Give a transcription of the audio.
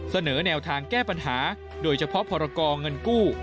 เสนอแนวทางแก้ปัญหาโดยเฉพาะพรกรเงินกู้